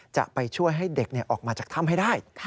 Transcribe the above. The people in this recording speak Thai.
จะไปช่วยให้เด็กออกมาจากถ้ำให้ได้